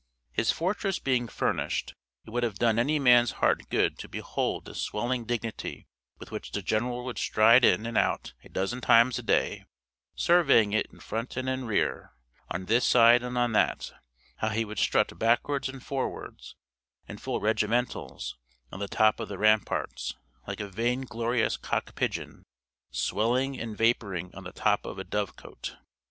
His fortress being finished, it would have done any man's heart good to behold the swelling dignity with which the general would stride in and out a dozen times a day, surveying it in front and in rear, on this side and on that; how he would strut backwards and forwards, in full regimentals, on the top of the ramparts, like a vain glorious cock pigeon, swelling and vaporing on the top of a dovecote.